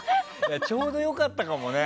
ちょうど良かったかもね。